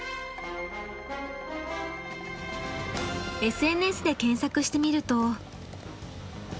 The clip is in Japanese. ＳＮＳで検索してみると。